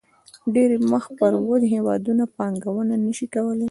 ډېری مخ پر ودې هېوادونه پانګونه نه شي کولای.